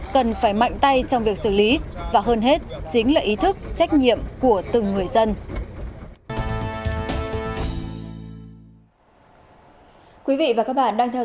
cần phải mạnh tay trong việc xử lý và hơn hết chính là ý thức trách nhiệm của từng người dân